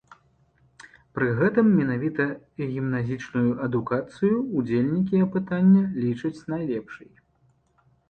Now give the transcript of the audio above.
Пры гэтым менавіта гімназічную адукацыю ўдзельнікі апытання лічаць найлепшай.